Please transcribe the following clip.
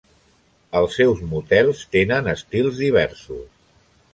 Els seus motels tenen estils diversos.